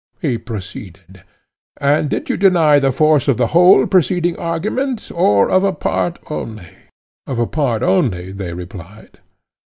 He proceeded: And did you deny the force of the whole preceding argument, or of a part only? Of a part only, they replied.